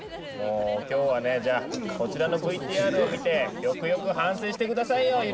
もうきょうはねじゃあこちらのＶＴＲを見てよくよく反省してくださいよ！